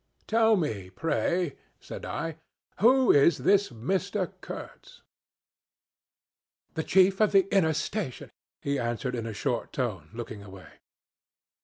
'Tell me, pray,' said I, 'who is this Mr. Kurtz?' "'The chief of the Inner Station,' he answered in a short tone, looking away.